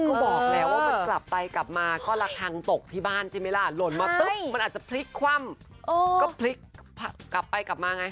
คือบอกแล้วว่ามันกลับไปกลับมาก็ละครั้งตกที่บ้านใช่ไหมล่ะหล่นมาปุ๊บมันอาจจะพลิกคว่ำก็พลิกกลับไปกลับมาไง